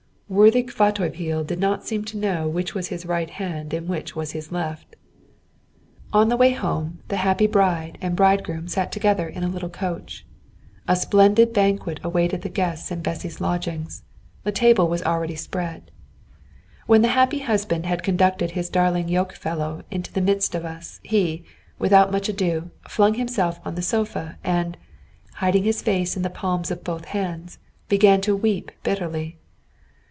Worthy Kvatopil did not seem to know which was his right hand and which was his left. On the way home the happy bride and bridegroom sat together in a little coach. A splendid banquet awaited the guests in Bessy's lodgings. The table was already spread. When the happy husband had conducted his darling yoke fellow into the midst of us, he, without more ado, flung himself on the sofa, and, hiding his face in the palms of both hands, began to weep bitterly.